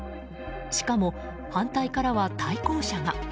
しかも、反対からは対向車が。